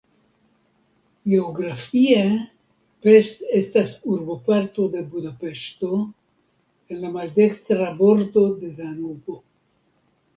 Geografie Pest estas urboparto de Budapeŝto en la maldekstra bordo de Danubo.